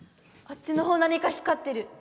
あっちの方何か光ってる！